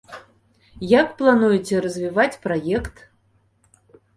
Як плануеце развіваць праект?